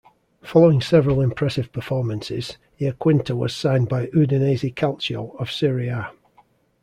Following several impressive performances, Iaquinta was signed by Udinese Calcio of Serie A.